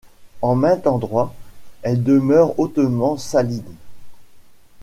En maints endroits, elle demeure hautement saline.